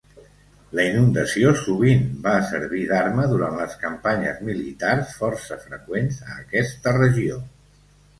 La inundació sovint va servir d'arma durant les campanyes militars força freqüents a aquesta regió.